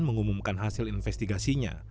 mengumumkan hasil investigasinya